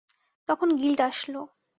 তখন গিল্ড আসলো।